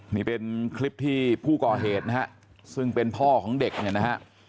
นี่เป็นคลิปที่ผู้ก่อเหตุนะฮะซึ่งเป็นพ่อของเด็กเนี่ยนะฮะ